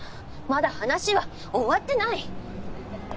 まだ話は終わってない。